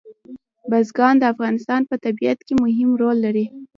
بزګان د افغانستان په طبیعت کې مهم رول لري.